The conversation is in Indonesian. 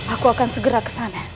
aku akan segera kesana